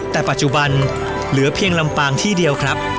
แต่ปัจจุบันเหลือเพียงลำปางที่เดียวครับ